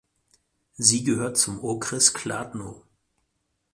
Sie gehört zum Okres Kladno.